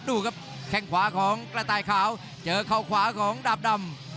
ดูครับแข้งขวาของกระต่ายขาวเจอเข้าขวาของดาบดำ